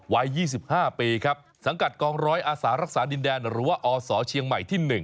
วัย๒๕ปีครับสังกัดกองร้อยอาสารักษาดินแดนหรือว่าอศเชียงใหม่ที่๑